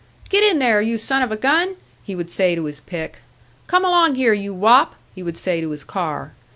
"Get in there, you son of a gun!" he would say to his pick. "Come along here, you wop!" he would say to his car.